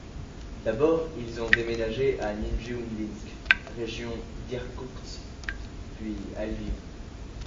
D'abord, ils ont déménagé à Nijneoudinsk, région d'Irkoutsk, puis à Lviv.